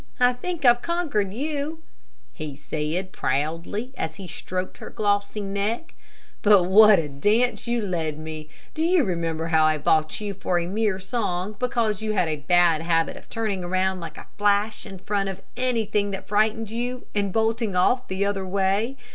I think I've conquered you," he said, proudly, as he stroked her glossy neck; "but what a dance you led me. Do you remember how I bought you for a mere song, because you had a bad habit of turning around like a flash in front of anything that frightened you, and bolting off the other way?